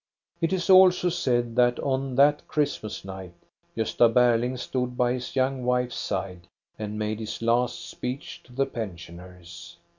It is also said that on that Christmas night Gosta Berling stood by his young wife's side and made his last speech to the pensioners.